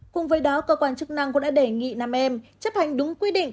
cùng với đó cơ quan chức năng cũng đã đề nghị năm em chấp hành đúng quy định